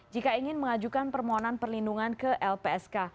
jika ingin mengajukan permohonan perlindungan ke lpsk